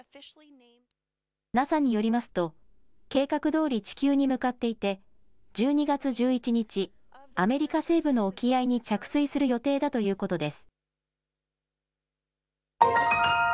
ＮＡＳＡによりますと計画どおり地球に向かっていて１２月１１日、アメリカ西部の沖合に着水する予定だということです。